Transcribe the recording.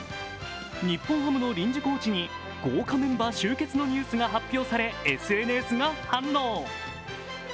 日本ハムの臨時コーチに豪華メンバー集結のニュースが発表され、ＳＮＳが反応。